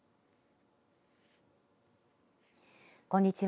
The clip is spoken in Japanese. こんにちは。